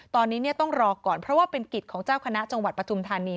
ตอนนี้ต้องรอก่อนเพราะว่าเป็นกิจของเจ้าคณะจังหวัดปฐุมธานี